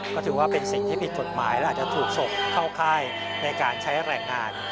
ก็ถือว่าเป็นสิ่งที่ผิดกฎหมายและอาจจะถูกส่งเข้าค่ายในการใช้แรงงาน